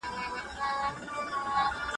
ریحان شونډو دی.